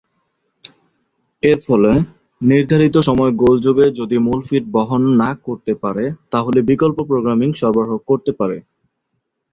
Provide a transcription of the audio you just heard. এর ফলে নির্ধারিত সময়-গোলযোগে যদি মূল ফিড বহন না করতে পারে তাহলে বিকল্প প্রোগ্রামিং সরবরাহ করতে পারে।